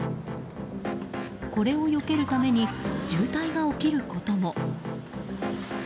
これをよけるために渋滞が起きることも。